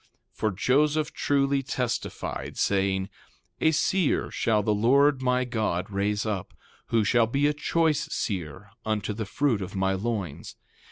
3:6 For Joseph truly testified, saying: A seer shall the Lord my God raise up, who shall be a choice seer unto the fruit of my loins.